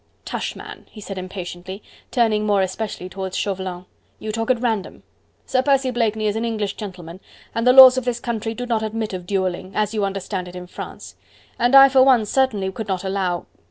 "Tush, man!" he said impatiently, turning more especially towards Chauvelin, "you talk at random. Sir Percy Blakeney is an English gentleman, and the laws of this country do not admit of duelling, as you understand it in France; and I for one certainly could not allow..."